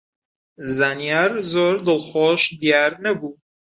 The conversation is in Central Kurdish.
زانیار زۆر دڵخۆش دیار نەبوو.